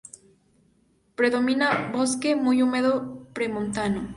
Predomina bosque muy húmedo premontano.